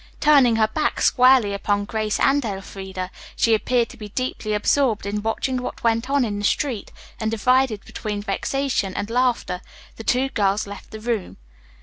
Turning her back squarely upon Grace and Elfreda, she appeared to be deeply absorbed in watching what went on in the street, and, divided between vexation and laughter, the two girls left the room.